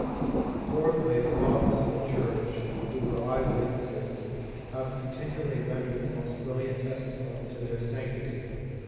Fourthly, the Fathers of the Church, who were eye witnesses, have continually rendered the most brilliant testimony to their sanctity.